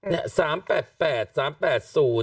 เนี่ย๓๘๘๓๘๐